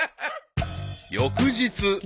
［翌日］